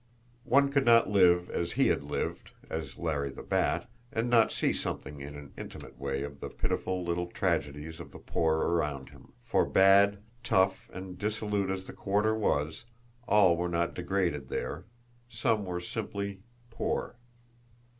One could not live as he had lived, as Larry the Bat, and not see something in an intimate way of the pitiful little tragedies of the poor around him; for, bad, tough, and dissolute as the quarter was, all were not degraded there, some were simply poor.